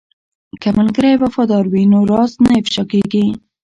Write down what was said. که ملګری وفادار وي نو راز نه افشا کیږي.